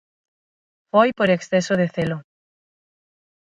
Foi por exceso de celo.